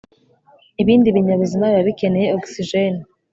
ibindi binyabuzima biba bikeye ogisijeni